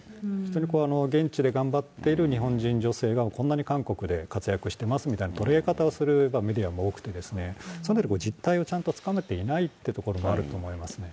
現地で頑張っている日本人女性が、こんなに韓国で活躍してますみたいな捉え方をするメディアも多くて、実態をちゃんとつかめていないということもあると思いますね。